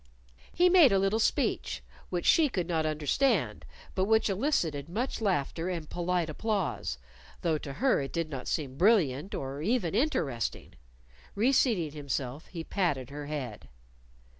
He made a little speech which she could not understand, but which elicited much laughter and polite applause; though to her it did not seem brilliant, or even interesting. Reseating himself, he patted her head.